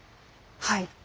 はい。